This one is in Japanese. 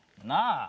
なあ。